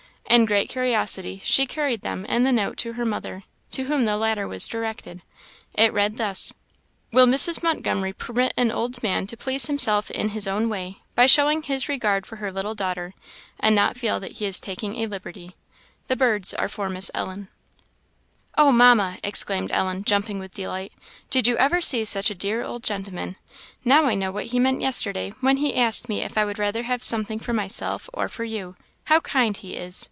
In great curiosity she carried them and the note to her mother, to whom the latter was directed. It read thus "Will Mrs. Montgomery permit an old man to please himself in his own way, by showing his regard for her little daughter, and not feel that he is taking a liberty? The birds are for Miss Ellen." "Oh, Mamma!" exclaimed Ellen, jumping with delight, "did you ever see such a dear old gentleman? Now I know what he meant yesterday, when he asked me if I would rather have something for myself or for you. How kind he is!